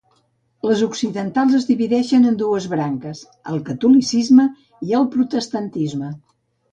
Les occidentals es divideixen en dues branques, el catolicisme i el protestantisme.